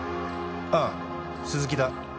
あぁ鈴木だ。